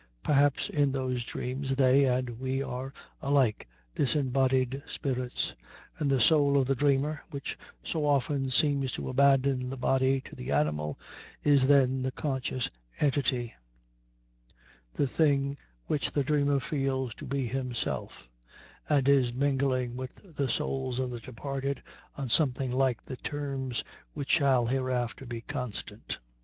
Perhaps in those dreams they and we are alike disembodied spirits, and the soul of the dreamer, which so often seems to abandon the body to the animal, is then the conscious entity, the thing which the dreamer feels to be himself, and is mingling with the souls of the departed on something like the terms which shall hereafter be constant.